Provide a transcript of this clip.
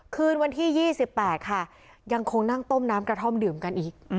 คืนวันที่๒๘ค่ะยังคงนั่งต้มน้ำกระท่อมดื่มกันอีก